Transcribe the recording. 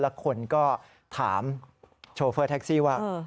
แล้วคนก็ถามโชเฟอร์แท็กซี่ว่า